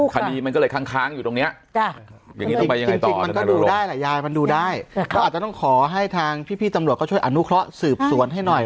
คดีมันก็เลยค้างอยู่ตรงนี้อย่างนี้ต้องไปยังไงต่อมันก็ดูได้แหละยายมันดูได้ก็อาจจะต้องขอให้ทางพี่ตำรวจเขาช่วยอนุเคราะห์สืบสวนให้หน่อย